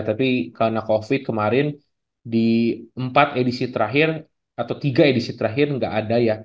tapi karena covid kemarin di empat edisi terakhir atau tiga edisi terakhir nggak ada ya